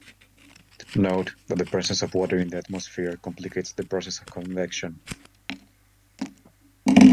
Note that the presence of water in the atmosphere complicates the process of convection.